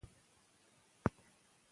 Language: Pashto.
تاسي د دې تړون مادې ولولئ.